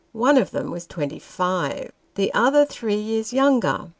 One of them was twenty five ; the other, three years younger.